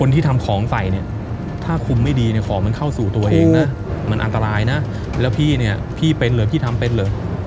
หัวตัวเองนะมันอันตรายนะแล้วพี่เนี่ยพี่เป็นหรือพี่ทำเป็นหรือ